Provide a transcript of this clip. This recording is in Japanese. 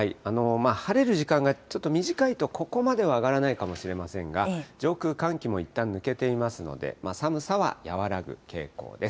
晴れる時間がちょっと短いと、ここまでは上がらないかもしれませんが、上空、寒気もいったん抜けていますので、寒さは和らぐ傾向です。